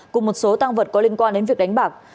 cùng một số tăng vật có liên quan đến việc đánh bạc